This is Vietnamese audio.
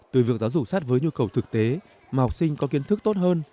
từ việc giáo dục sát với nhu cầu thực tế mà học sinh có kiến thức tốt hơn